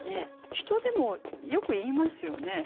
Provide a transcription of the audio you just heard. ヒトでもよく言いますよね。